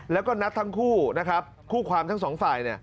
แล้วก็นัดทั้งคู่นะครับคู่ความทั้งสองฝ่าย